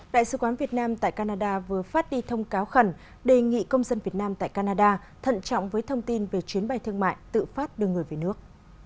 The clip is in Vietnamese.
đại sứ quán việt nam tại canada vừa phát đi thông cáo khẩn đề nghị công dân việt nam tại canada thận trọng với thông tin về chuyến bay thương mại tự phát đưa người về nước